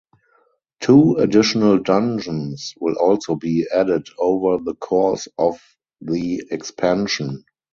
Two additional dungeons will also be added over the course of the expansion.